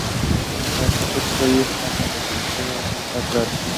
Los conceptos están ahí, pero la dirección aún no está clara.